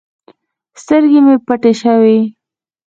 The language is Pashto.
سترګې مې پټې سوې.